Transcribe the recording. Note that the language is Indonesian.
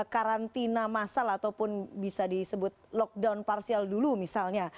karantina masal ataupun bisa disebut lockdown parsial dulu misalnya